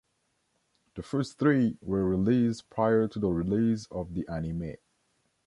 The first three were released prior to the release of the anime.